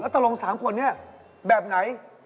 แล้วตรงสามขวดนี่แบบไหน